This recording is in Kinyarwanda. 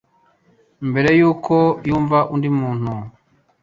mbere yuko ayumva undi muntu